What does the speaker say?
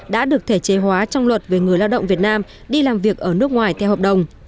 đã được thể chế hóa trong luật về người lao động việt nam đi làm việc ở nước ngoài theo hợp đồng